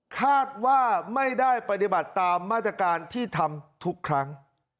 คาดว่าไม่ได้ปฏิบัติตามมาตรการที่ทำทุกครั้ง